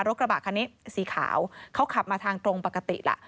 กระบะคันนี้สีขาวเขาขับมาทางตรงปกติล่ะ